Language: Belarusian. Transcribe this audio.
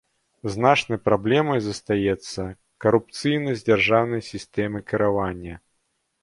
Значнай праблемай застаецца карупцыйнасць дзяржаўнай сістэмы кіравання.